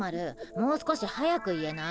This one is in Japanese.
もう少し速く言えない？